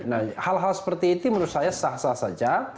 nah hal hal seperti itu menurut saya sah sah saja